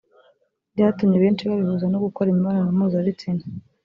byatumye benshi babihuza no gukora imibonano mpuzabitsina